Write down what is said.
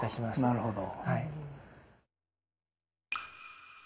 なるほど。